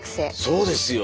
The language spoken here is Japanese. そうですよ。